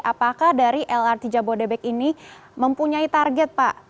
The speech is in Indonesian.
apakah dari lrt jabodebek ini mempunyai target pak